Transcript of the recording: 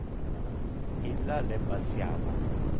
Illa le basiava.